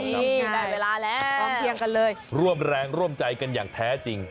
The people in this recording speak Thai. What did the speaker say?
นี่ได้เวลาแล้วพร้อมเพียงกันเลยร่วมแรงร่วมใจกันอย่างแท้จริง